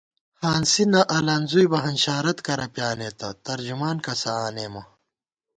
ہانسی نہ الَنزُوئی بہ ہنشارت کرہ پیانېتہ ، ترجمان کسہ آنېمہ